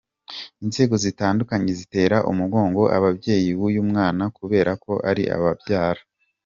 Inzego zitandukanye zitera umugongo ababyeyi b’uyu mwana kubera ko ari “ababyara”.